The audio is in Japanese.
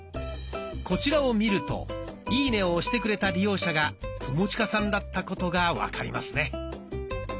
こちらを見るといいねを押してくれた利用者が友近さんだったことが分かりますね。